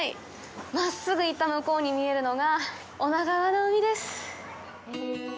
真っすぐ行った向こうに見えるのが女川の海です！